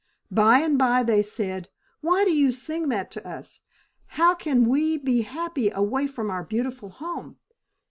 By and by they said, "Why do you sing that to us? How can we be happy away from our beautiful home?"